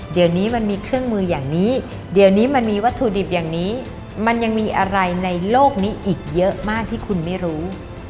เดี๋ยวนี้มันมีเครื่องมืออย่างนี้เดี๋ยวนี้มันมีวัตถุดิบอย่างนี้มันยังมีอะไรในโลกนี้อีกเยอะมากที่คุณไม่รู้